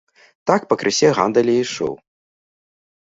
Так пакрысе гандаль і ішоў.